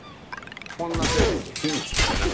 こんなテーマでいいんですかね。